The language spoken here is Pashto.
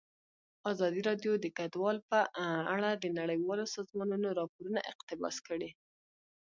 ازادي راډیو د کډوال په اړه د نړیوالو سازمانونو راپورونه اقتباس کړي.